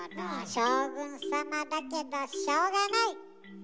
将軍様だけどしょうがない。